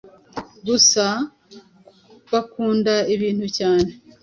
Gusa bakunda ibintu cyane